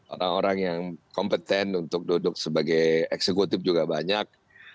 orang orang yang kompeten untuk duduk sebagai eksekutif juga banyak